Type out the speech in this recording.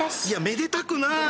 めでたくない。